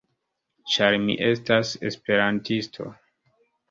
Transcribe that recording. Ĉar mi estas esperantisto.